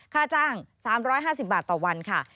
ค่าจ้าง๓๕๐บาทต่อวันค่ะ